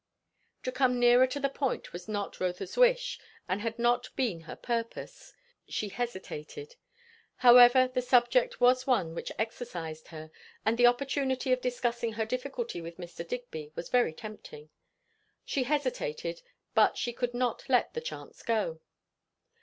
To come nearer to the point was not Rotha's wish and had not been her purpose; she hesitated. However, the subject was one which exercised her, and the opportunity of discussing her difficulty with Mr. Digby was very tempting. She hesitated, but she could not let the chance go.